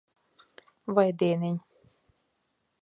Vai dieniņ.